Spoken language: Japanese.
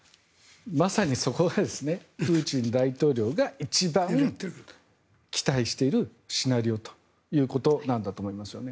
まさにそこがプーチン大統領が一番期待しているシナリオということなんだと思いますね。